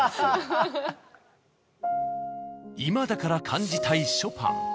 今だから感じたいショパン。